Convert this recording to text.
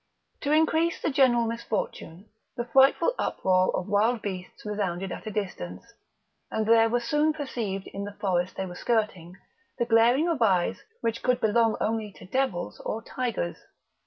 To increase the general misfortune, the frightful uproar of wild beasts resounded at a distance, and there were soon perceived, in the forest they were skirting, the glaring of eyes which could belong only to devils or tigers.